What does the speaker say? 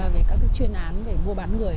với các cái chuyên án về mua bán người